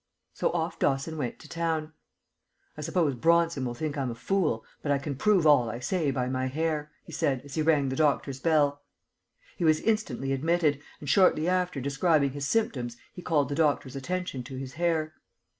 So off Dawson went to town. "I suppose Bronson will think I'm a fool, but I can prove all I say by my hair," he said, as he rang the doctor's bell. He was instantly admitted, and shortly after describing his symptoms he called the doctor's attention to his hair.